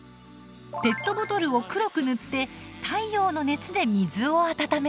ペットボトルを黒く塗って太陽の熱で水を温めます。